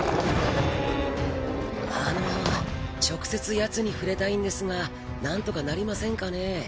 あの直接ヤツに触れたいんですがなんとかなりませんかね？